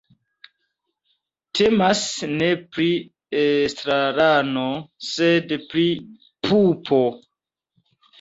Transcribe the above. Temas ne pri estrarano, sed pri pupo.